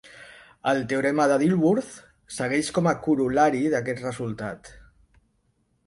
El teorema de Dilworth segueix com a corol·lari d'aquest resultat.